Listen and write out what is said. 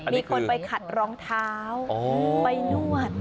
มีคนไปขัดรองเท้าไปนวด